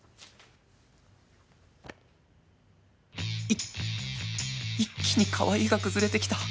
い一気にかわいいが崩れてきた